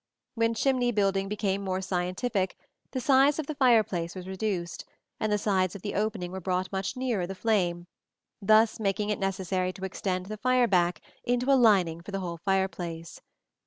When chimney building became more scientific, the size of the fireplace was reduced, and the sides of the opening were brought much nearer the flame, thus making it necessary to extend the fire back into a lining for the whole fireplace.